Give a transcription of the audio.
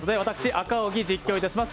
赤荻、実況いたします。